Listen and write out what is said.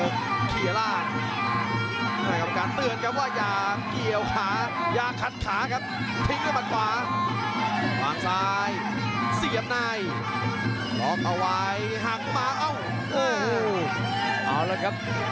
โดยขวาได้เรียบเลยครับ